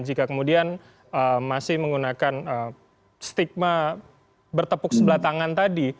jika kemudian masih menggunakan stigma bertepuk sebelah tangan tadi